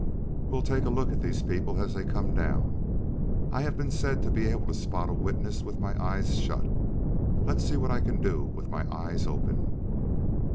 "We'll take a look at these people as they come down. I have been said to be able to spot a witness with my eyes shut. Let's see what I can do with my eyes open."